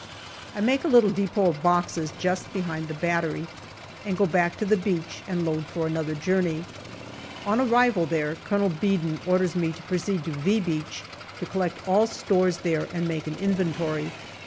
I make a little depot of boxes just behind the battery, and go back to the beach and load for another journey. On arrival there, Colonel Beadon orders me to proceed to " V " Beach to collect all stores there and make an inventory.